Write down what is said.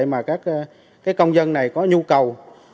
mà các công dân này có nhu cầu